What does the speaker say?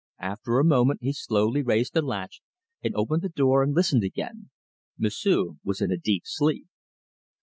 After a moment he softly raised the latch, and opened the door and listened again. 'M'sieu' was in a deep sleep.